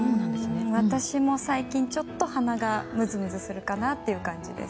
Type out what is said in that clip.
私も最近、ちょっと鼻がむずむずするかなという感じ。